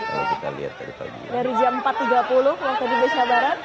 dari jam empat tiga puluh waktu di besar barat